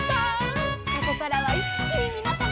「ここからはいっきにみなさまを」